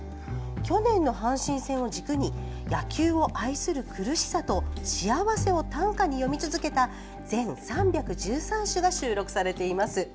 去年の阪神戦を軸に野球を愛する苦しさと幸せを短歌に詠み続けた全３１３首が収録されています。